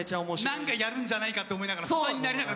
何かやるんじゃないかと思いながら。